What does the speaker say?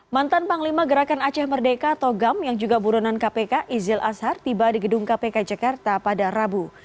mantan panglima gerakan aceh merdeka togam yang juga buronan kpk izil azhar tiba di gedung kpk jakarta pada rabu